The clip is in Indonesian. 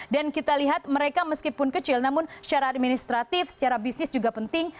dan kita lihat mereka meskipun kecil namun secara administratif secara bisnis juga penting